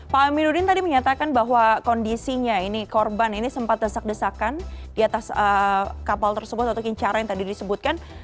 pak aminuddin tadi menyatakan bahwa kondisinya ini korban ini sempat desak desakan di atas kapal tersebut atau kincara yang tadi disebutkan